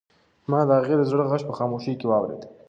ما د هغې د زړه غږ په خاموشۍ کې واورېد.